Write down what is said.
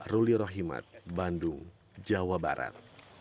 ruli rohimat bandung jawa barat